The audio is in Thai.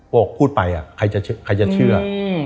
พวกเขาพูดไปอะใครจะเชื่อ